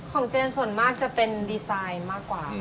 เจนส่วนมากจะเป็นดีไซน์มากกว่า